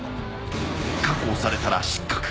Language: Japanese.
確保されたら失格。